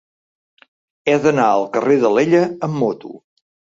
He d'anar al carrer d'Alella amb moto.